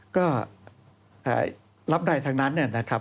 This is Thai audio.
ก็รับได้ทั้งนั้นนะครับ